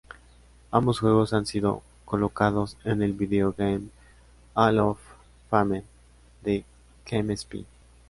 Ambos juegos han sido colocados en el "Video Game Hall of Fame" de GameSpy.